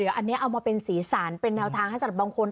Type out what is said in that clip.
อันนี้เอามาเป็นสีสันเป็นแนวทางให้สำหรับบางคน